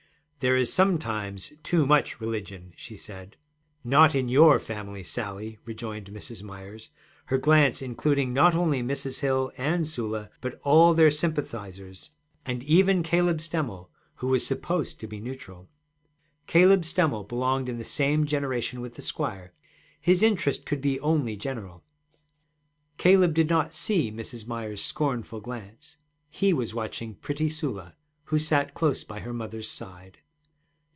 'There is sometimes too much religion' she said. 'Not in your family, Sally,' rejoined Mrs. Myers, her glance including not only Mrs. Hill and Sula, but all their sympathizers, and even Caleb Stemmel, who was supposed to be neutral. Caleb Stemmel belonged in the same generation with the squire; his interest could be only general. Caleb did not see Mrs. Myers's scornful glance; he was watching pretty Sula, who sat close by her mother's side.